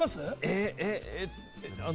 えっ？えっ？